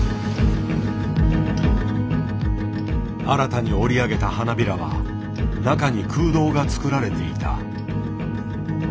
新たに織りあげた花びらは中に空洞が作られていた。